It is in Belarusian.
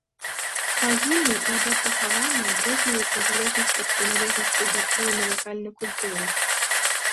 Магільні і абрад пахавання адрозніваюцца ў залежнасці ад прыналежнасці да пэўнай лакальнай культуры.